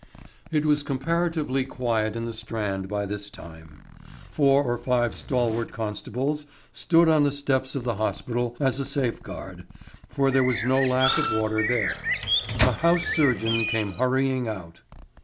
It was comparatively quiet in the Strand by this time. Four or five stalwart constables stood on the steps of the hospital as a safeguard, for there was no lack of water there. A house surgeon came hurrying out.